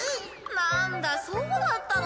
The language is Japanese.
なーんだそうだったの？